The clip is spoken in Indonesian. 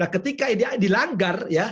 ketika ini dilanggar